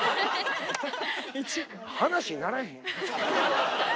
話になれへん。